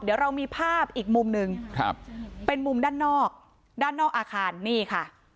เดี๋ยวเรามีภาพอีกมุมหนึ่งครับเป็นมุมด้านนอกด้านนอกอาคารนี่ค่ะ